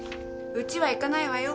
うちは行かないわよ。